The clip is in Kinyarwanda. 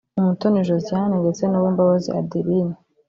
Umutoni Josiane ndetse na Uwimbabazi Adeline